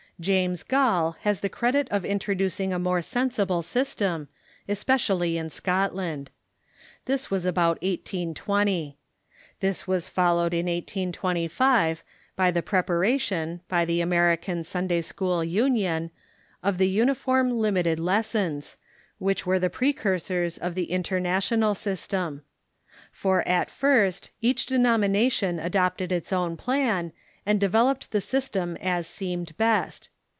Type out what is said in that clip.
James Gall has the credit of introducing a more sensible system, especially in Scotland. This was about 1820. This Avas followed in 1825 by the preparation, by the American Sunday School Union, of the Uniform Limited Les sons, which were the precursors of the Liternational System. For at first each denomination adopted its own plan, and de veloped the system as seemed best.